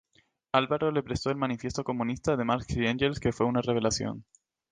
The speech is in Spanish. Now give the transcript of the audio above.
Alvarado le prestó el "Manifiesto Comunista", de Marx y Engels, que "fue una revelación".